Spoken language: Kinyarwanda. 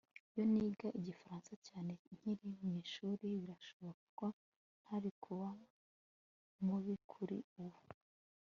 Iyo niga Igifaransa cyane nkiri mwishuri birashoboka ko ntari kuba mubi kuri ubu